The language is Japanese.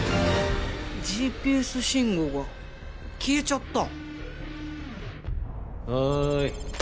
ＧＰＳ信号が消えちゃったおい